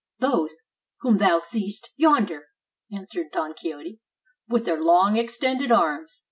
"Those whom thou seest yonder," answered Don Quixote, "with their long, extended arms.